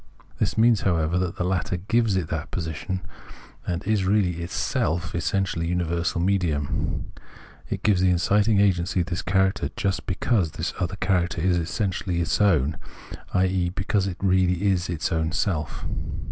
This means, however, that the latter gives it that position, and is really itselj essentially universal medium : it gives the inciting agency this character just because this other character is essentially its own, i.e. because it is really its own self.